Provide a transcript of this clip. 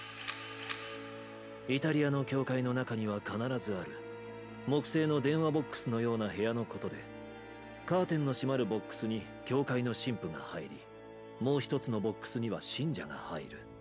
イタリアの教会の中には必ずある木製の電話ボックスのような部屋のことでカーテンの閉まる部屋に教会の神父が入りもうひとつの部屋には信者が入る。